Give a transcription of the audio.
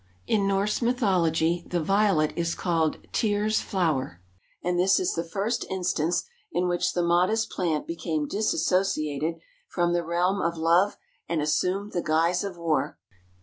] In Norse mythology the Violet is called Tyr's flower, and this is the first instance in which the modest plant became disassociated from the realm of love and assumed the guise of war.